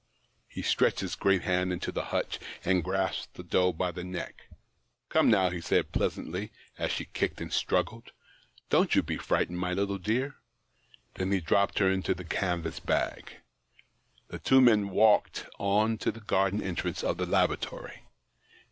He stretched his great hand into the hutch, and grasped the doe by the neck. " Come, now," he said, pleasantly, as she kicked and struggled, "don't you be frightened, my little dear." Then he dropped her into the canvas bag. The two men walked on to the garden entrance of the laboratory.